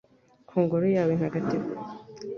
ku Ngoro yawe ntagatifu